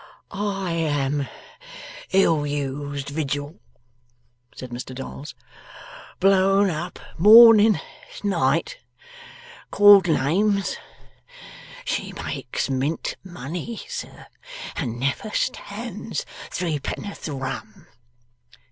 'I am ill used vidual,' said Mr Dolls. 'Blown up morning t'night. Called names. She makes Mint money, sir, and never stands Threepenn'orth Rum.